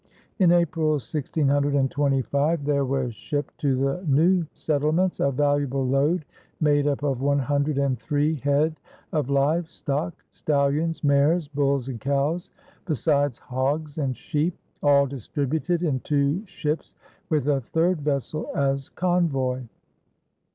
In April, 1625, there was shipped to the new settlements a valuable load made up of one hundred and three head of live stock stallions, mares, bulls, and cows besides hogs and sheep, all distributed in two ships with a third vessel as convoy.